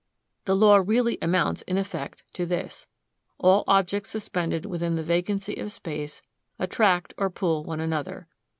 The law really amounts, in effect, to this: All objects suspended within the vacancy of space attract or pull one another.